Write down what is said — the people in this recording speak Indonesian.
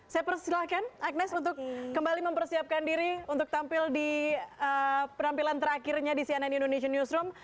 saya persilahkan agnes untuk kembali mempersiapkan diri untuk tampil di penampilan terakhirnya di cnn indonesian newsroom